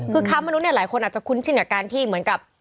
คือค้ามนุษย์หลายคนอาจจะคุ้นชินกับการที่เหมือนกับ